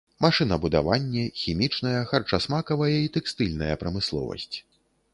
Машынабудаванне, хімічная, харчасмакавая і тэкстыльная прамысловасць.